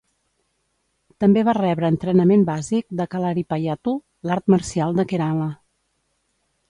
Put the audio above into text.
També va rebre entrenament bàsic de Kalaripayattu, l'art marcial de Kerala.